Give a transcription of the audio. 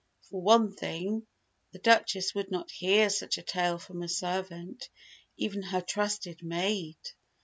For one thing, the Duchess would not hear such a tale from a servant, even her trusted maid.